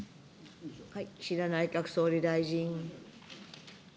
岸田内閣総理大臣。